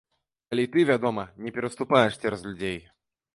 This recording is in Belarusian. Калі ты, вядома, не пераступаеш цераз людзей.